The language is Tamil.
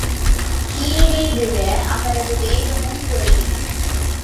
கீழேவிழ அவரது வேகமும் குறையும்.